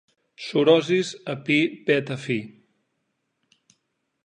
Sorosis a Pi Beta Phi.